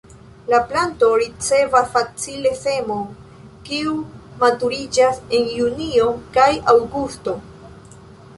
La planto ricevas facile semon, kiu maturiĝas en julio kaj aŭgusto.